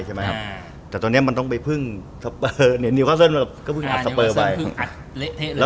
เนวฮาเซิ้นก็เพิ่งอัดสเปอ